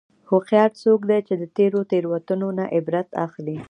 هوښیار څوک دی چې د تېرو تېروتنو نه عبرت اخلي.